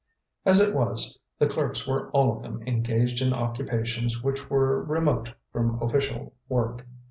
As it was, the clerks were all of them engaged in occupations which were remote from official work.